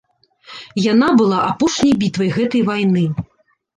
Яна была апошняй бітвай гэтай вайны.